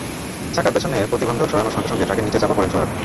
চাকার পেছনের প্রতিবন্ধক সরানোর সঙ্গে সঙ্গে ট্রাকের নিচে চাপা পড়েন সোহাগ।